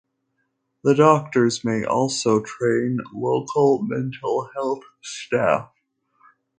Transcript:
The doctors may also train local mental health staff.